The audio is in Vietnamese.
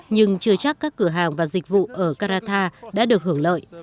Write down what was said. nhưng chưa chắc các cửa hàng và dịch vụ ở caratar đã được hưởng lợi